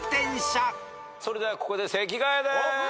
それではここで席替えです。